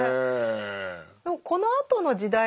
このあとの時代